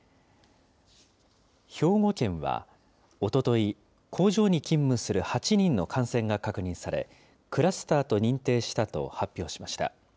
兵庫県はおととい、工場に勤務する８人の感染が確認され、クラスターと認定したと発表しました。